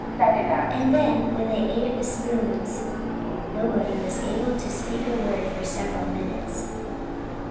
And then when they ate it with spoons! Nobody was able to speak a word for several minutes.